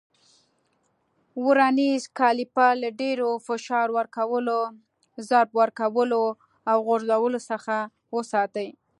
ورنیز کالیپر له ډېر فشار ورکولو، ضرب ورکولو او غورځولو څخه وساتئ.